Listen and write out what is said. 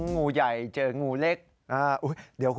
งูใหญ่เจองูเล็ก